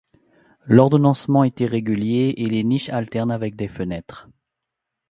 L'ordonnancement est irrégulier et les niches alternent avec des fenêtres.